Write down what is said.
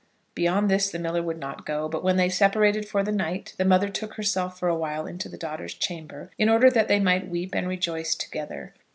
Beyond this the miller would not go; but, when they separated for the night, the mother took herself for awhile into the daughter's chamber in order that they might weep and rejoice together.